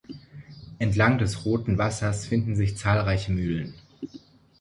Entlang des "Roten Wassers" finden sich zahlreiche Mühlen.